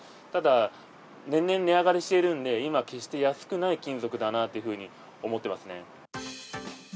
ただ、年々値上がりしているんで、今、決して安くない金属だなっていうふうに思ってますね。